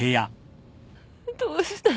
どうして。